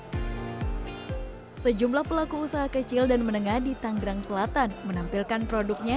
hai sejumlah pelaku usaha kecil dan menengah di tanggerang selatan menampilkan produknya